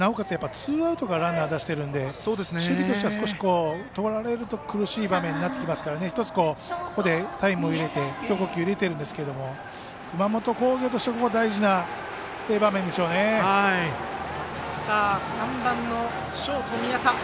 ツーアウトからランナー出してるので守備としては少し取られると苦しい場面になりますから１つ、ここでタイムを入れて一呼吸入れてるんですけど熊本工業にとっても３番のショート、宮田。